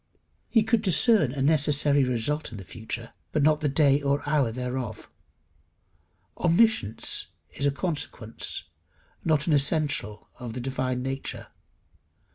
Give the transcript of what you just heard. He could discern a necessary result in the future, but not the day or the hour thereof. Omniscience is a consequence, not an essential of the divine nature.